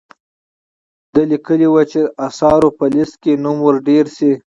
ده لیکلي وو چې آثارو په لیست کې نوم ور ډیر شي.